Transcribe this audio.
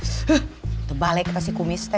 hah tuh balik pasti kumis teh